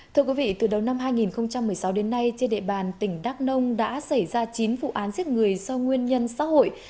thưa quý vị từ đầu năm hai nghìn một mươi sáu đến nay trên địa bàn tỉnh đắk nông đã xảy ra chín vụ án giết người do nguyên nhân xã hội